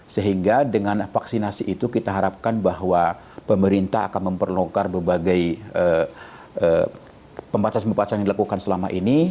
sehingga dengan vaksinasi itu kita harapkan bahwa pemerintah akan memperlonggar berbagai pembatasan pembatasan yang dilakukan selama ini